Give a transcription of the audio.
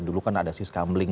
dulu kan ada siskamling